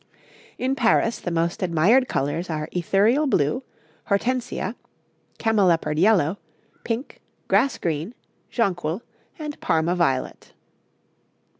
In Paris the most admired colours are ethereal blue, Hortensia, cameleopard yellow, pink, grass green, jonquil, and Parma violet.'